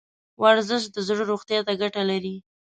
ورزش د زړه روغتیا ته ګټه لري.